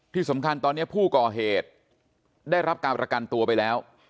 ที่สำคัญตอนนี้ผู้ก่อเหตุได้รับการประกันตัวไปแล้ว